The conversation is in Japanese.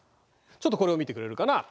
ちょっとこれを見てくれるかな。